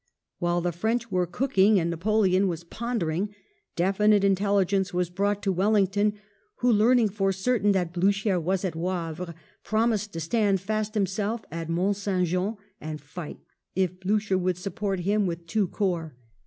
While the French were cooking and Napoleon was pondering, definite intelligence was brought to Wellington, who, learning for certain that Blucher was at Wavre, promised to stand fast himself at Mont St Jean and fight, if Blucher would support him with two corps.